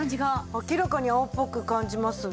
明らかに青っぽく感じます。